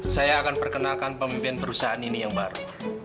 saya akan perkenalkan pemimpin perusahaan ini yang baru